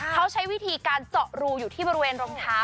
เขาใช้วิธีการเจาะรูอยู่ที่บริเวณรองเท้า